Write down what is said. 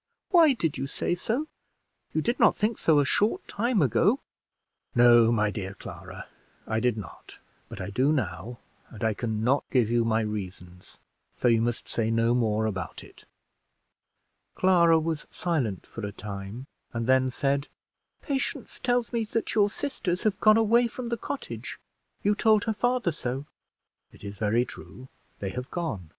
Why did you say so? You did not think so a short time ago." "No, my dear Clara, I did not, but I do now, and I can not give you my reasons; so you must say no more about it." Clara was silent for a time, and then said "Patience tells me that your sisters have gone away from the cottage. You told her father so." "It is very true; they have gone."